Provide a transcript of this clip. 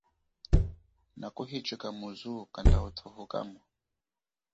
Nakuhichika muzu kanda uthuhu kamo.